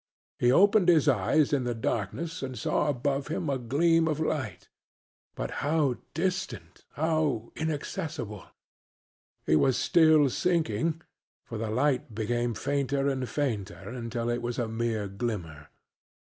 He opened his eyes in the darkness and saw above him a gleam of light, but how distant, how inaccessible! He was still sinking, for the light became fainter and fainter until it was a mere glimmer.